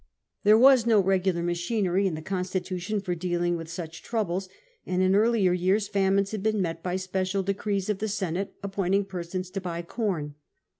There was no regular machinery in the constitution for dealing with such troubles, and in earlier years famines had been met by special decrees of the Senate appointing persons to buy corn.